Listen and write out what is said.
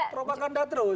terobak anda terus